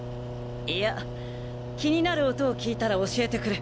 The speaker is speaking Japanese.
いや気になる音を聞いたら教えてくれ。